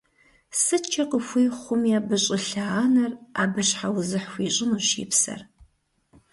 СыткӀэ къыхуей хъуми абы щӀылъэ – анэр абы щхьэузыхь хуищӀынущ и псэр.